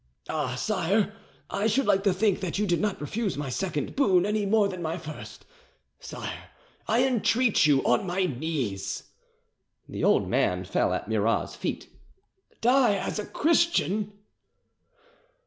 "Ah, sire, I should like to think that you did not refuse my second boon any more than my first. Sire, I entreat you on my knees." The old man fell at Murat's feet. "Die as a Christian!"